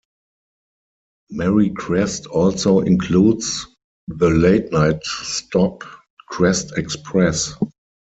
Marycrest also includes the late-night stop, Crest Express.